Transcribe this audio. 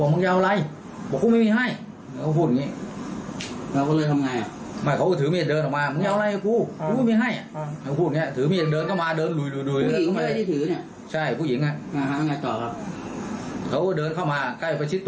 ผู้ชายก็วิ่งเข้ามาอีกแล้วนั้นทำไง